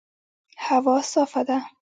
هوا صافه ده